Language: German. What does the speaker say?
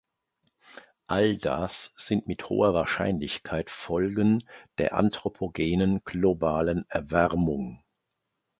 All das sind mit hoher Wahrscheinlichkeit Folgen der anthropogenen globalen Erwärmung.